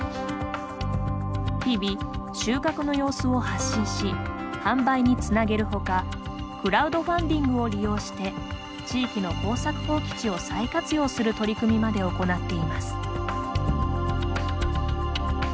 日々、収穫の様子を発信し販売につなげるほかクラウドファンディングを利用して、地域の耕作放棄地を再活用する取り組みまで行っています。